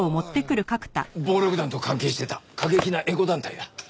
暴力団と関係してた過激なエコ団体だ。